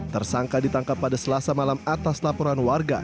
tersangka ditangkap pada selasa malam atas laporan warga